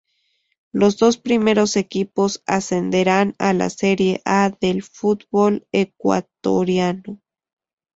Los dos primeros equipos ascenderán a la Serie A del Fútbol ecuatoriano.